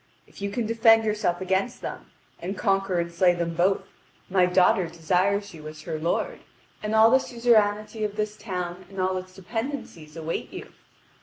If you can defend yourself against them, and conquer and slay them both, my daughter desires you as her lord, and the suzerainty of this town and all its dependencies awaits you."